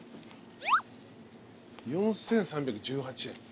４，３１８円。